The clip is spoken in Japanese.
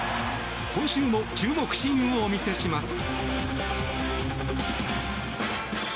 今週も注目シーンをお見せします。